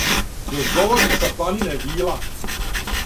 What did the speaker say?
Још говори са планине вила: